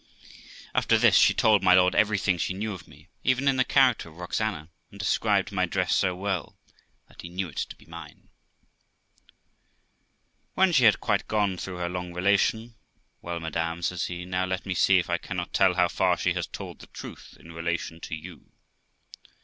After this she told my lord everything she knew of me, even in the character of Roxana, and described my dress so well, that he knew it to be mine. THE LIFE OF ROXANA 407 When she had quite gone through her long relation, 'Well, madam', says he, ' now let me see if I cannot tell how far she has told the truth in relation to you.